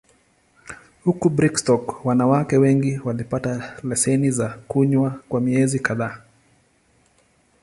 Huko Brigstock, wanawake wengine walipata leseni za kunywa kwa miezi kadhaa.